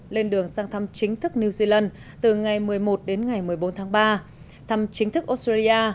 lên đường sang thăm chính thức new zealand từ ngày một mươi một đến ngày một mươi bốn tháng ba thăm chính thức australia